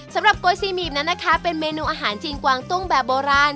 สำหรับโกยซี่หมีนั้นนะคะเป็นเมนูอาหารจีนกวางตุ้งแบบโบราณ